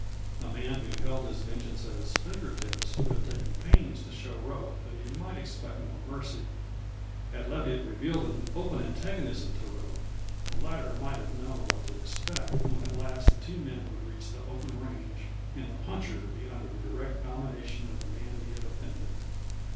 A man who held his vengeance at his finger tips would have taken pains to show Rope that he might expect no mercy. Had Leviatt revealed an open antagonism to Rope, the latter might have known what to expect when at last the two men would reach the open range and the puncher be under the direct domination of the man he had offended.